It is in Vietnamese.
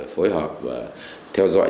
phối hợp và theo dõi